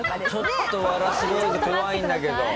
ちょっとワラスボーイズ怖いんだけど。